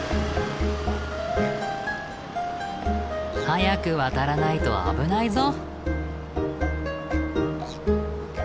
早く渡らないと危ないぞ。